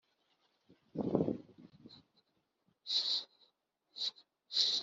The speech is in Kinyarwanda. uhereye kuri Samweli n abakurikiyeho